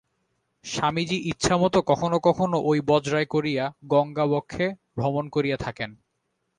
স্বামীজী ইচ্ছামত কখনও কখনও ঐ বজরায় করিয়া গঙ্গাবক্ষে ভ্রমণ করিয়া থাকেন।